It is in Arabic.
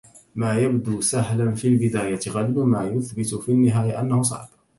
ما يبدو سهلاً في البداية، غالباً ما يثبت في النهاية أنه صعب.